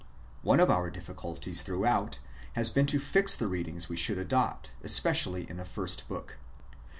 One of our difficulties throughout, has been to fix the readings w^e should adopt, especially in the first book.